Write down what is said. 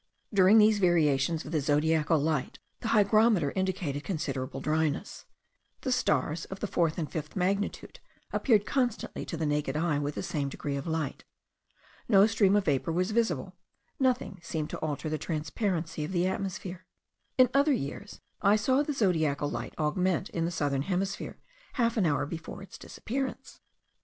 During these variations of the zodiacal light, the hygrometer indicated considerable dryness. The stars of the fourth and fifth magnitude appeared constantly to the naked eye with the same degree of light. No stream of vapour was visible: nothing seemed to alter the transparency of the atmosphere. In other years I saw the zodiacal light augment in the southern hemisphere half an hour before its disappearance.